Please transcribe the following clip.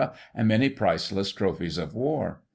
and many priceless trophies of war.